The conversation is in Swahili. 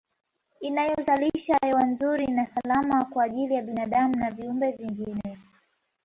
Inayozalisha hewa nzuri na salama kwa ajili ya binadamu na viumbe vingine